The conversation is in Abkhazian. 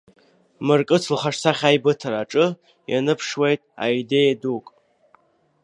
Мыркыц лхаҿсахьа аибыҭараҿы ианыԥшуеит аидеиа дук.